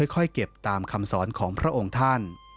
ค่อยเก็บตามคำสอนของพระองค์ท่าน